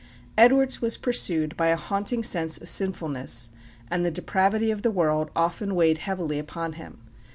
Edwards was pursued by a haunting sense of sinfulness, and the depravity of the world often weighed heavily upon him.